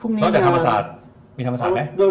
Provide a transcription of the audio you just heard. มีธรรมศาสตร์แม่